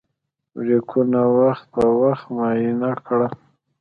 بریکونه وخت په وخت معاینه کړه.